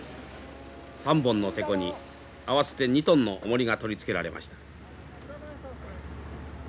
３本のテコに合わせて２トンのおもりが取り付けられました。